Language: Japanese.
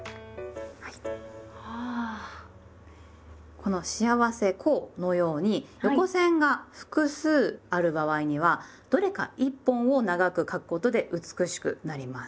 この「『幸』せ」「幸」のように横線が複数ある場合にはどれか１本を長く書くことで美しくなります。